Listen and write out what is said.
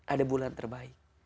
ada bulan terbaik